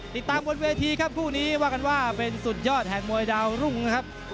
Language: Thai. ติดตามบนเวทีครับคู่นี้ว่ากันว่าเป็นสุดยอดแห่งมวยดาวรุ่งนะครับ